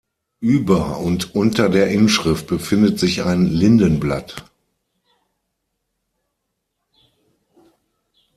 Über und unter der Inschrift befindet sich ein Lindenblatt.